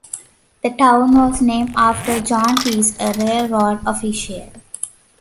The town was named after John Pierce, a railroad official.